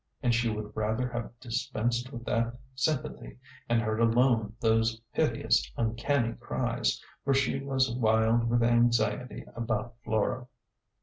And she would rather have dispensed with that sympathy, and heard alone those piteous, uncanny cries, for she was wild with anxiety about Flora.